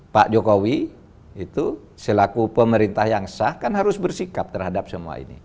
pak jokowi itu selaku pemerintah yang sah kan harus bersikap terhadap semua ini